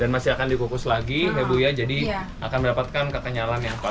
dan masih akan dikukus lagi hebu ya jadi akan mendapatkan kekenyalan yang pas